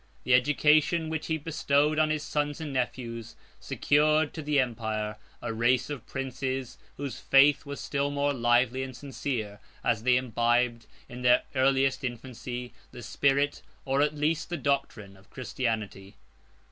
The education which he bestowed on his sons and nephews secured to the empire a race of princes, whose faith was still more lively and sincere, as they imbibed, in their earliest infancy, the spirit, or at least the doctrine, of Christianity.